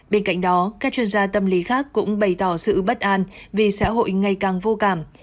bên cạnh đó các chuyên gia tâm lý khác cũng bày tỏ sự bất an vì xã hội ngày càng vô cảm